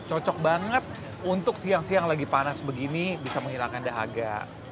cocok banget untuk siang siang lagi panas begini bisa menghilangkan dahaga